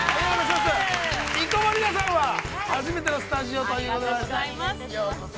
生駒里奈さんは初めてのスタジオということでございますよ。